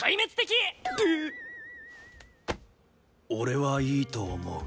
俺はいいと思う。